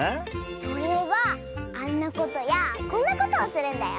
それはあんなことやこんなことをするんだよ。